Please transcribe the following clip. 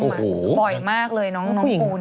บ่อยมากเลยน้องปูน